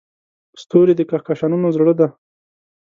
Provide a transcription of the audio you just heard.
ستوري د کهکشانونو زړه دي.